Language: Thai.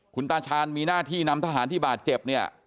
คุณตาชาญมีหน้าที่นำทหารที่บาดเจ็บเนี่ย